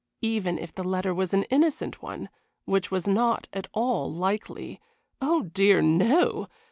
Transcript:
Even if the letter was an innocent one, which was not at all likely. Oh, dear, no!